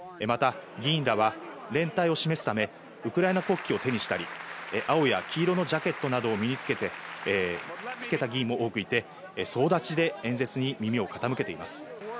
また議員らは連帯を示すためウクライナ国旗を手にしたり、青や黄色のジャケットなどを身につけた議員も多くいて総立ちで演説に耳を傾けています。